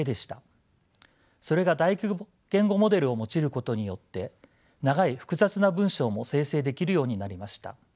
それが大規模言語モデルを用いることによって長い複雑な文章も生成できるようになりました。